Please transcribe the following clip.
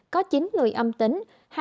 có chín người âm tính